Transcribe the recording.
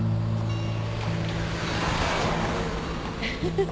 フフフ。